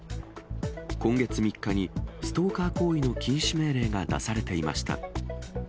今月３日にストーカー行為の禁止命令が出されていました。